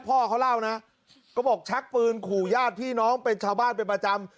พ่อเขาเล่านะก็บอกชักปืนขู่ญาติพี่น้องเป็นชาวบ้านเป็นประจำ